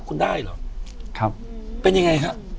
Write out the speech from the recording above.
อยู่ที่แม่ศรีวิรัยิลครับ